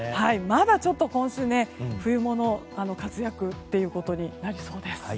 まだちょっと今週、冬物活躍ということになりそうです。